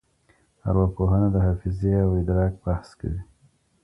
ارواپوهنه د حافظې او ادراک بحث کوي.